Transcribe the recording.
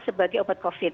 sebagai obat covid